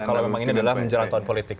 kalau memang ini adalah menjelang tahun politik